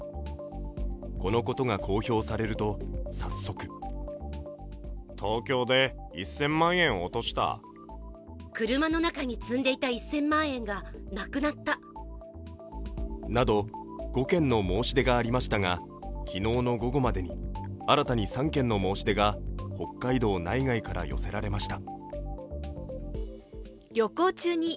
このことが公表されると、早速など５件の申し出がありましたが、昨日の午後までに新たに３件の申し出が北海道内外から寄せられました。